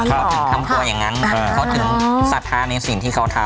เขาถึงทำตัวอย่างนั้นเขาถึงศรัทธาในสิ่งที่เขาทำ